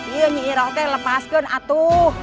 iya nyiroh lepaskan aku